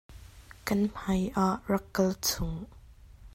Kan hmai ah rak kal chung.